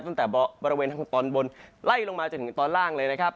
ตั้งแต่บริเวณทางตอนบนไล่ลงมาจนถึงตอนล่างเลยนะครับ